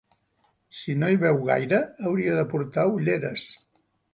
Si no hi veu gaire hauria de portar ulleres.